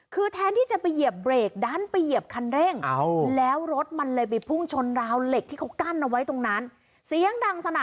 คือแทนที่จะไปเหยียบเบรกด้านไปเหยียบคันเร่ง